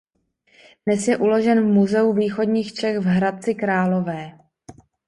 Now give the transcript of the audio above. Dnes je uložen v Muzeu východních Čech v Hradci Králové.